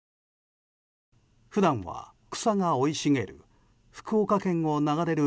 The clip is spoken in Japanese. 普段は草が生い茂る